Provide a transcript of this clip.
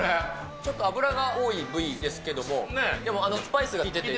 ちょっと脂が多い部位ですけれども、でもスパイスが効いてて。